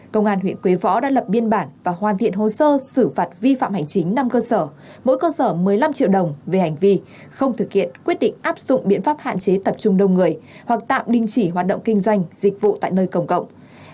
công an huyện quế võ đã lập biên bản và hoàn thiện hồ sơ xử phạt vi phạm hành chính năm cơ sở mỗi cơ sở một mươi năm triệu đồng về hành vi không thực hiện quyết định áp dụng biện pháp hạn chế tập trung đông người hoặc tạm đình chỉ hoạt động kinh doanh dịch vụ tại nơi công cộng